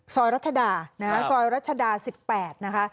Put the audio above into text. ซอยรัชดาซอยรัชดา๑๘นะคะ